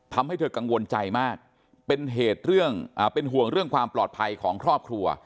ทำให้เธอกังวลใจมากเป็นเหตุเรื่องเป็นห่วงเรื่องความปลอดภัยของครอบครัว